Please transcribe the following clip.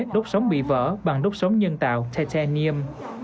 đốt sóng bị vỡ bằng đốt sóng nhân tạo tetium